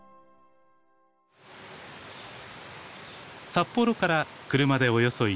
札幌から車でおよそ１時間。